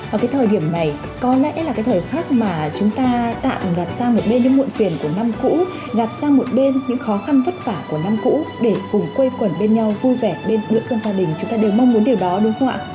và cái thời điểm này có lẽ là cái thời khắc mà chúng ta tạm gạt sang một bên cái muộn phiền của năm cũ gạt sang một bên những khó khăn vất vả của năm cũ để cùng quây quần bên nhau vui vẻ bên bữa cơm gia đình chúng ta đều mong muốn điều đó đúng không ạ